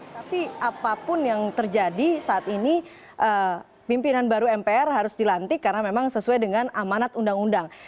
tapi apapun yang terjadi saat ini pimpinan baru mpr harus dilantik karena memang sesuai dengan amanat undang undang